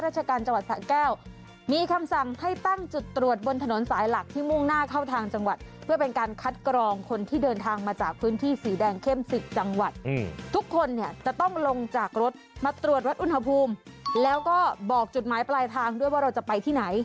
เช่มสิทธิ์จังหวัดทุกคนเนี่ยจะต้องลงจากรถมาตรวจวัตรอุณหภูมิแล้วก็บอกจุดหมายปลายทางด้วยว่าเราจะไปที่ไหน